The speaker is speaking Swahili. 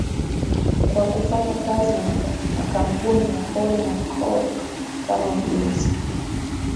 Kwa kufanya kazi na kampuni ya Hole and Cooke kama mlinzi